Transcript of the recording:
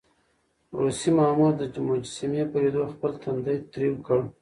روسي مامور د مجسمې په ليدو خپل تندی تريو کړ.